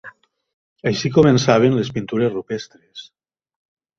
Així començaven les pintures rupestres.